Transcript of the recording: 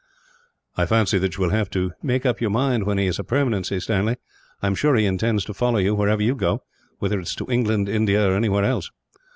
"I fancy that you will have to make up your mind that he is a permanency, Stanley. I am sure he intends to follow you, wherever you go; whether it is to England, India, or anywhere else."